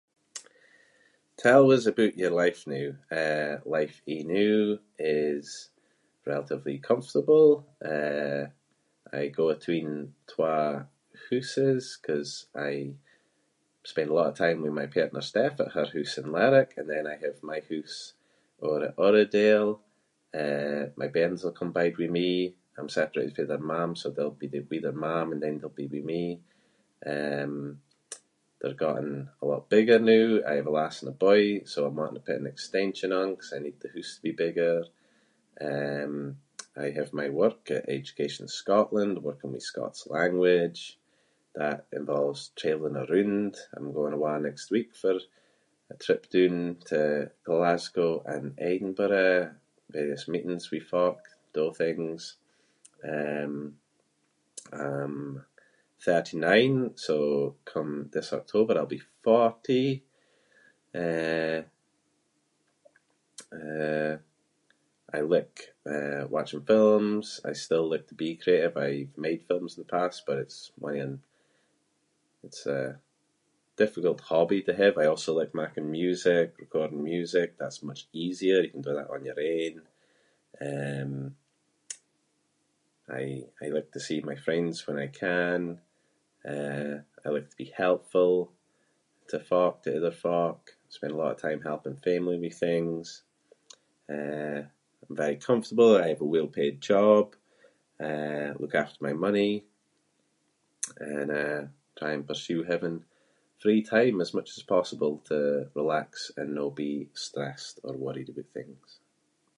Tell us aboot your life noo. Eh, life anoo is relatively comfortable. Eh, I go atween twa hooses ‘cause I spend a lot of time with my partner Steph at her hoose in Lerwick and then I have my hoose over at Uradale. Eh, my bairns will come bide with me. I’m separated fae their mam so they’ll be th- with their mam and then they’ll be with me. Um, they’re gotten a lot bigger noo. I have a lass and a boy so I’m wanting to put an extension on ‘cause I need the hoose to be bigger. Um, I have my work at Education Scotland working with Scots language. That involves trailing aroond. I’m going awa’ next week for a trip doon to Glasgow and Edinburgh- various meetings with folk to do things. Um, I’m thirty nine so come this October I’ll be forty. Eh- eh, I like, eh, watching films. I still like to be creative. I’ve made films in the past but it’s one of yon- it’s a difficult hobby to have. I also like making music- recording music. That’s much easier. You can do that on your own. Um, I- I like to see my friends when I can. Eh, I like to be helpful to folk- to other folk. I spend a lot of time helping family with things. Eh, I’m very comfortable, I have a well-paid job. Eh, look after my money. And, eh, try and pursue having free time as much as possible to relax and no be stressed or worried aboot things.